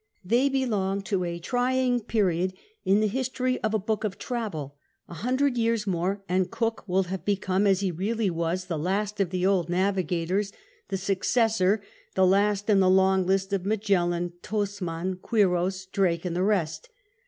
They belong to a trying period in the history of a book of travel ; a huiidre*! years more and Cook will have become, as he njally was, the last of tlie old navigators, the successor, the last, in the long list of Magellan, Tasman, (^iiiros, Drake, and the rest.